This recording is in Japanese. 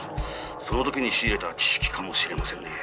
「その時に仕入れた知識かもしれませんねぇ」